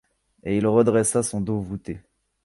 Et il redressa son dos voûté.